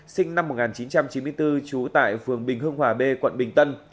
sinh năm một nghìn chín trăm chín mươi bốn trú tại phường bình hưng hòa b quận bình tân